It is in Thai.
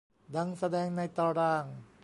ดังแสดงในตาราง